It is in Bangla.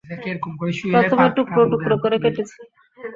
প্রথমে টুকরো টুকরো করে কেটেছি।